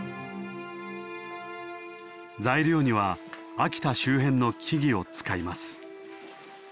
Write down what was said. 材料には秋田周辺の木々を使います。